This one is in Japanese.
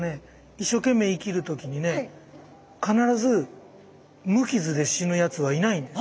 一生懸命生きる時にね必ず無傷で死ぬやつはいないんです。